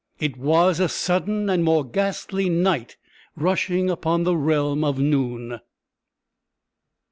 It was a sudden and more ghastly Night rushing upon the realm of Noon!